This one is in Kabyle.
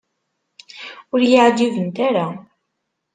Ur yi-ɛǧibent ara.